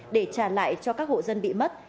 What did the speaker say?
để trả lại cho các hộ dân bị mất